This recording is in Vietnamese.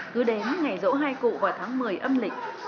tại dỗ hai cụ vào tháng một mươi âm lịch